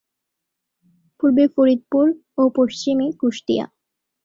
পূর্বে ফরিদপুর ও পশ্চিমে কুষ্টিয়া।